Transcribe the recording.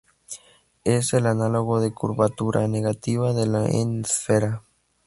Es el análogo de curvatura negativa de la n-esfera.